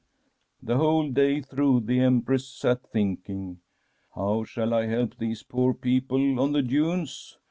'" The whole day through the Empress sat thinking :' How shall I help these poor people on the dunes